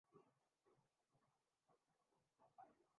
چیزوں کو ان کی رفتار سے چلتا رہنے دیتا ہوں